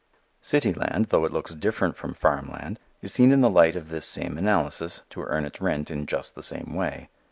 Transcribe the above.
City land, though it looks different from farm land, is seen in the light of this same analysis, to earn its rent in just the same way.